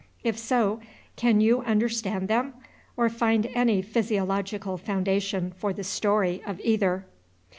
If so, can you understand them, or find any physiological foundation for the story of either?